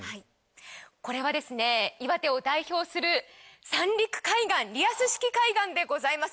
これはですね岩手を代表する三陸海岸リアス式海岸でございます